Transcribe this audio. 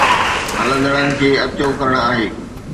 ھلندڙن کي عطيو ڪرڻ آھي